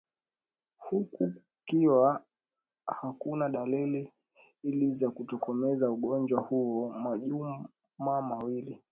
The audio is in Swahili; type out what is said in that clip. huku kukiwa hakuna dalili za kutokomeza ugonjwa huo majuma mawili